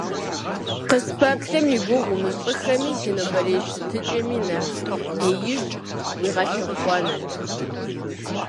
Къыспэплъэм и гугъу умыщӀыххэми, си нобэрей щытыкӀэми нэхъ Ӏеиж уигъэлъыхъуэнт.